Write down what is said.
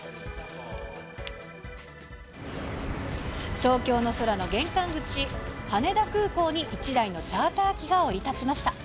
東京の空の玄関口、羽田空港に１台のチャーター機が降り立ちました。